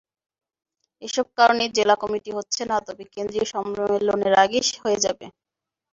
এসব কারণেই জেলা কমিটি হচ্ছে না, তবে কেন্দ্রীয় সম্মেলনের আগেই হয়ে যাবে।